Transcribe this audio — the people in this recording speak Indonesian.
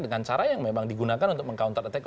dengan cara yang memang digunakan untuk meng counter attack